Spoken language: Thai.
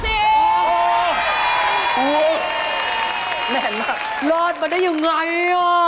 แม่นมากรอดมาได้อย่างไร